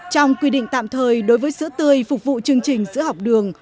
trong quy định tạm thời đối với sữa tươi phục vụ chương trình sữa học đường